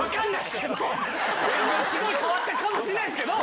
すごい変わったかもしれないっすけど。